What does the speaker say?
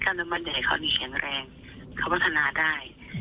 กล้ามเนื้อมันใหญ่เขาจะแข็งแรงเขาพัฒนาได้